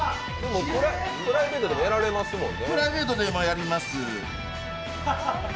プライベートでもやられますもんね。